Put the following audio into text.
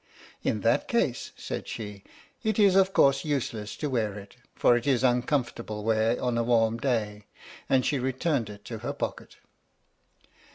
" In that case," said she, " it is of course useless to wear it, for it is uncomfortable wear on a warm day." And she returned it to her pocket.